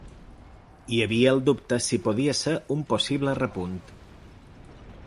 Hi havia el dubte si podia ser un possible repunt.